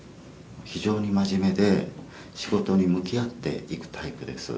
非常に真面目で、仕事に向き合っていくタイプです。